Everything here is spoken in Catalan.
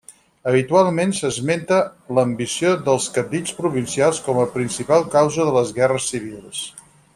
Habitualment s'esmenta l'ambició dels cabdills provincials com a principal causa de les guerres civils.